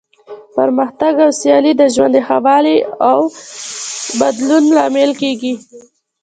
پرمختګ او سیالي د ژوند د ښه والي او بدلون لامل کیږي.